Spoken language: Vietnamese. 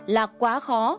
là quá khó